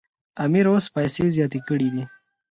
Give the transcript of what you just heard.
امیر اوس پیسې زیاتې کړي دي.